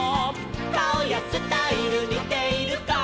「かおやスタイルにているか」